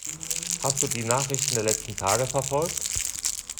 Hast du die Nachrichten der letzten Tage verfolgt?